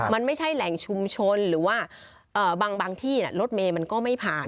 มันไม่ใช่แหล่งชุมชนหรือว่าบางที่รถเมย์มันก็ไม่ผ่าน